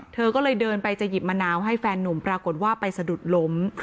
เธอก็เลยเดินไปจะหยิบมะนาวให้แฟนนุ่มปรากฏว่าไปสะดุดล้ม